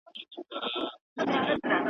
د سیلیو له کوګله زما آواز که در رسیږي ,